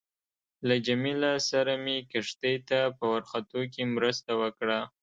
له جميله سره مې کښتۍ ته په ورختو کې مرسته وکړه.